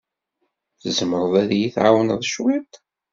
Tzemreḍ ad iyi-tɛawneḍ cwiṭ?